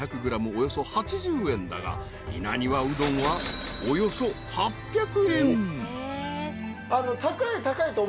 およそ８０円だが稲庭うどんはおよそ８００円］